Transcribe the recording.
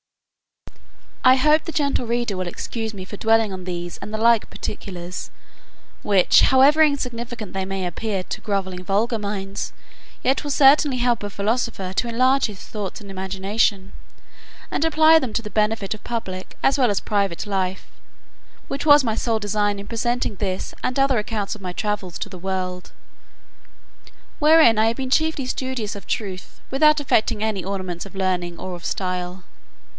I hope the gentle reader will excuse me for dwelling on these and the like particulars, which, however insignificant they may appear to groveling vulgar minds, yet will certainly help a philosopher to enlarge his thoughts and imagination, and apply them to the benefit of public as well as private life, which was my sole design in presenting this and other accounts of my travels to the world; wherein I have been chiefly studious of truth, without affecting any ornaments of learning or of style.